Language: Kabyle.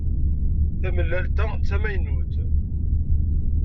Tamellalt-a d tamaynut.